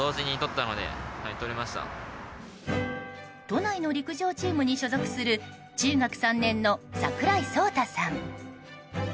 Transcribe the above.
都内の陸上チームに所属する中学３年の櫻井蒼大さん。